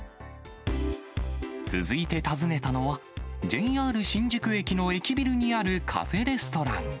続いて訪ねたのは、ＪＲ新宿駅の駅ビルにあるカフェレストラン。